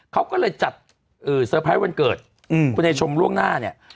เขาก็เลยจัดเซอร์ไพรส์วันเกิดคุณไอชมล่วงหน้าเนี่ย